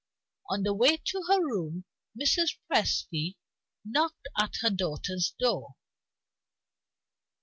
On the way to her room Mrs. Presty knocked at her daughter's door.